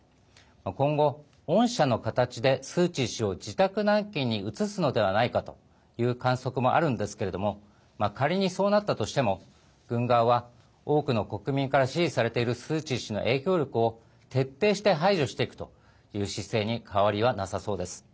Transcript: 今後、恩赦の形でスー・チー氏を自宅軟禁に移すのではないかという観測もあるんですけれども仮にそうなったとしても軍側は、多くの国民から支持されているスー・チー氏の影響力を徹底して排除していくという姿勢に変わりはなさそうです。